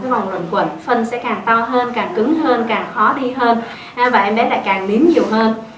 cái vòng luẩn quẩn phân sẽ càng to hơn càng cứng hơn càng khó đi hơn và em bé lại càng nín nhiều hơn